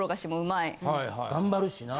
頑張るしな。